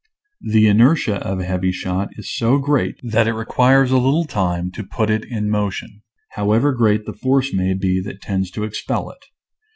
The inertia of a heavy shot is so great that it requires a little time to put it in motion, however great the force may be that tends to expel it.